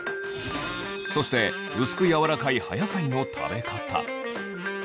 そして薄く柔らかい葉野菜の食べ方。